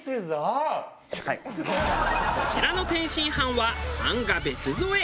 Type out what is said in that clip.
こちらの天津飯は餡が別添え。